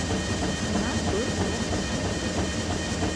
У нас быў урок фізкультуры.